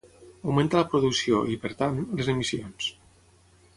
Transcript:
Augmenta la producció i, per tant, les emissions.